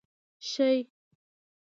شې.